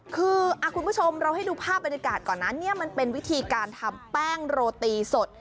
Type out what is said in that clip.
คือคุณผู้ชมเราให้ดูภาพบรรยากาศก่อนนะเนี่ยมันเป็นวิธีการทำแป้งโรตีสด